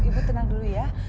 ibu tenang dulu ya